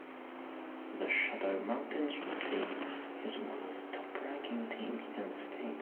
The Shadow Mountain swim team is one of the top-ranking teams in the state.